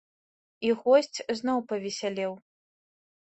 І госць зноў павесялеў.